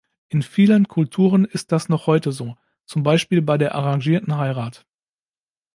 In vielen Kulturen ist das noch heute so, zum Beispiel bei der arrangierten Heirat.